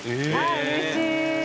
うれしい。